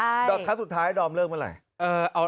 ดอกครั้งสุดท้ายดอมเลิกเมื่อไหร่